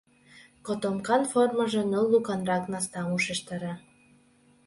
Котомкан формыжо ныл луканрак настам ушештара.